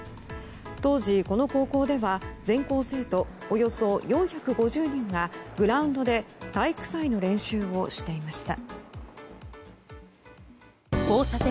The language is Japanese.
当時、この高校では全校生徒およそ４５０人がグラウンドで体育祭の練習をしていました。